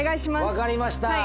分かりました。